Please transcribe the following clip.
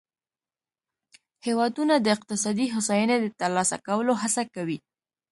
هیوادونه د اقتصادي هوساینې د ترلاسه کولو هڅه کوي